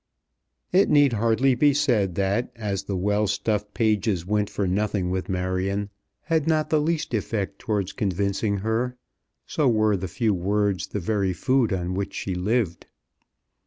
It need hardly be said that as the well stuffed pages went for nothing with Marion, had not the least effect towards convincing her, so were the few words the very food on which she lived.